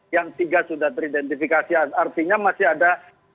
yang tiga sudah teridentifikasi artinya masih ada